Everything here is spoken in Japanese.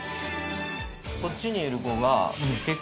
こっちにいる子が。